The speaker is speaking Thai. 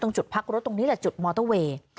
จุดพักรถตรงนี้แหละจุดมอเตอร์เวย์